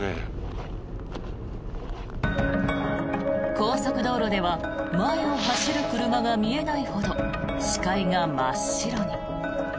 高速道路では前を走る車が見えないほど視界が真っ白に。